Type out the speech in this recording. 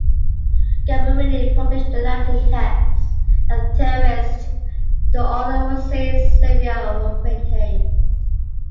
Gamurrini published the Latin text and theorised the author was Saint Sylvia of Aquitaine.